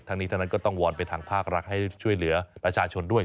ทั้งนี้ทั้งนั้นก็ต้องวอนไปทางภาครัฐให้ช่วยเหลือประชาชนด้วย